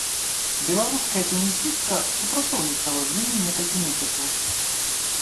Беларуская тэнісістка супрацоўнічала з ім некалькі месяцаў.